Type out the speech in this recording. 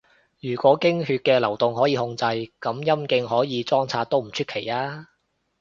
如果經血嘅流動可以控制，噉陰莖可以裝拆都唔出奇吖